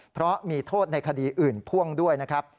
เพราะมีโทษในคดีอื่นพ่วงด้วยนะครับ